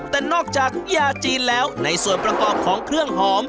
แต่นอกจากยาจีนแล้วในส่วนประกอบของเครื่องหอม